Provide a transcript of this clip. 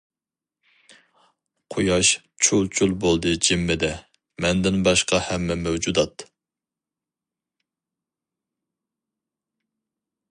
قۇياش چۇل-چۇل بولدى جىممىدە، مەندىن باشقا ھەممە مەۋجۇدات.